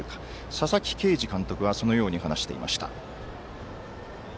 佐々木啓司監督はそのように話していました。